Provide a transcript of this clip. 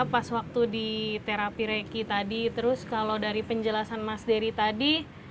pas waktu di terapi reki tadi terus kalau dari penjelasan mas dery tadi